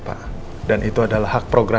satu dua tiga